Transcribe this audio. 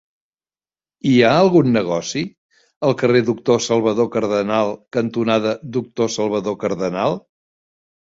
Hi ha algun negoci al carrer Doctor Salvador Cardenal cantonada Doctor Salvador Cardenal?